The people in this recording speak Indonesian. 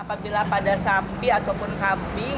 apabila pada sapi ataupun kambing